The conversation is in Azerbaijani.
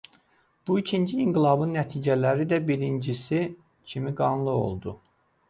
Bu ikinci inqilabın nəticələri də birincisi kimi qanlı oldu.